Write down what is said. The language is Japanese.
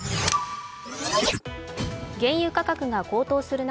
原油価格が高騰する中